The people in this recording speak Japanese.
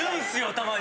たまに。